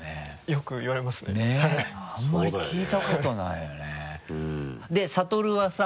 よく言われますね。ねぇあんまり聞いたことないよねで悟はさ。